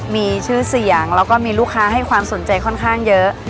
มีชื่อเสียงแล้วก็มีลูกค้าให้ความสนใจค่อนข้างเยอะ